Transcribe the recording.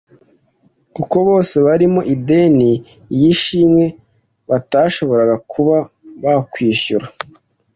kuko bose barimo ideni iy'ishimwe batashoboraga kuba bakwishyura